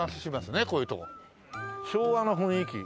昭和の雰囲気。